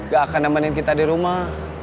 gak akan nemenin kita di rumah